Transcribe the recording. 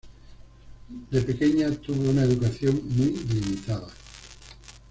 De pequeña, tuvo una educación muy limitada.